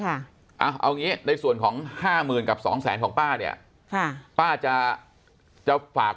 ค่ะเอางี้ในส่วนของ๕๐๐๐๐กับ๒๐๐๐๐๐ของป้าเนี่ยป้าจะจะฝาก